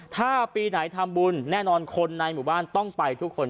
ถ้าปีไหนทำบุญแน่นอนคนในหมู่บ้านต้องไปทุกคน